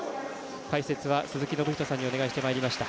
解説は鈴木信人さんにお願いしてまいりました。